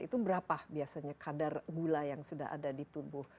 itu berapa biasanya kadar gula yang sudah ada di tubuh